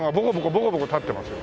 ボコボコ立ってますよ。